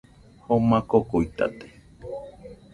Joma kokuitate